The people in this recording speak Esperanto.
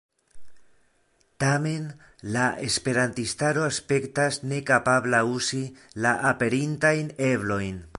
Tamen, la Esperantistaro aspektas nekapabla uzi la aperintajn eblojn.